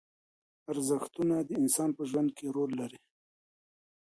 ارزښتونه د انسان په ژوند کې رول لري.